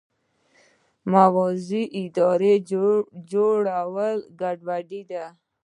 موازي ادارې جوړول ګډوډي ده.